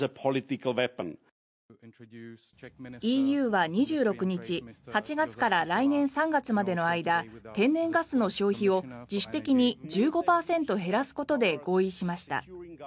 ＥＵは２６日８月から来年３月までの間天然ガスの消費を自主的に１５％減らすことで合意しました。